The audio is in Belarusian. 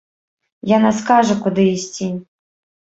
Яна скажа, куды ісці.